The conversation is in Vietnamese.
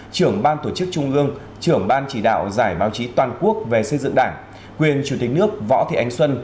trưởng ban tổ chức trung ương trưởng ban chỉ đạo giải báo chí toàn quốc về xây dựng đảng quyền chủ tịch nước võ thị ánh xuân